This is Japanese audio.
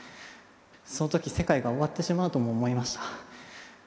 その時世界が終わってしまうとも思いました。